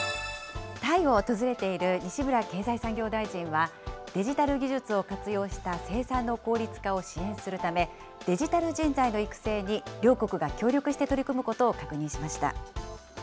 タイを訪れている西村経済産業大臣は、デジタル技術を活用した生産の効率化を支援するため、デジタル人材の育成に両国が協力して取り組むことを確認しました。